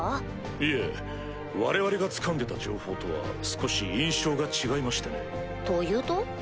いえ我々がつかんでた情報とは少し印象が違いましてね。というと？